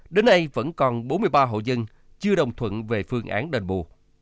đến nay vẫn còn bốn mươi ba hộ dân chưa đồng thuận về phương án đền bù